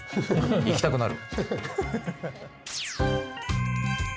行きたくなる！